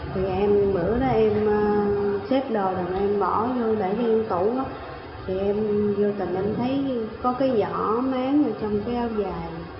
thì em bữa đó em xếp đồ rồi em bỏ vô để lên tủ em vô tình em thấy có cái vỏ mán trong cái áo dài